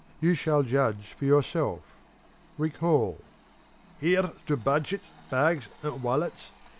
You shall judge for yourself. Recall: Here's to budgets, bags, and wallets!